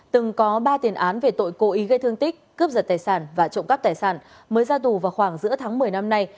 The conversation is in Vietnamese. từng có ba tiền án về tội cố ý gây thương tích cướp giật tài sản và trộm cắp tài sản mới ra tù vào khoảng giữa tháng một mươi năm nay